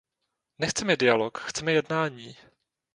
Nechceme dialog, chceme jednání.